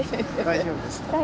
大丈夫ですか？